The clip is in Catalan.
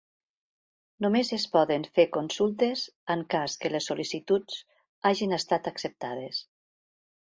Només es poden fer consultes en cas que les sol·licituds hagin estat acceptades.